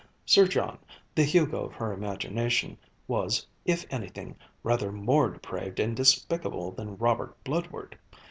Sir John, the Hugo of her imagination, was, if anything, rather more depraved and despicable than Robert Bludward.